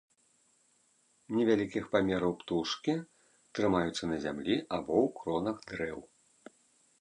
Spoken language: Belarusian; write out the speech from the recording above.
Невялікіх памераў птушкі, трымаюцца на зямлі або ў кронах дрэў.